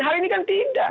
hari ini kan tidak